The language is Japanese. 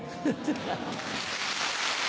ハハハ。